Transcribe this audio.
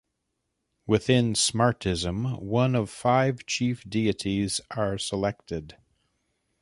Within Smartism, one of five chief deities are selected.